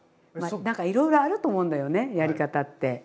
何かいろいろあると思うんだよねやり方って。